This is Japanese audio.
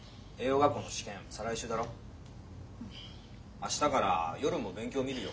明日から夜も勉強見るよ